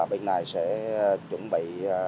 bên này sẽ chuẩn bị